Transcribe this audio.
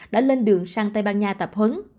đã lên đường sang tây ban nha tập huấn